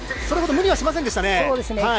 それほど無理はしませんでした。